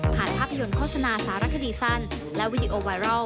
ผ่านทัพยนต์โฆษณาสารคดีสรรค์และวิดีโอไวรัล